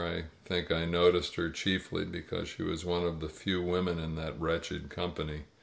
I think I noticed her chiefly because she was one of the few women in that wretched company.